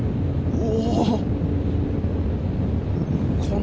お！